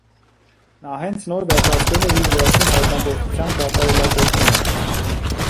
Նա հենց նոր վերջացրել է իր վերջին հայտնագործության կատարելագործումը։